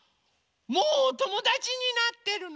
もうおともだちになってるの？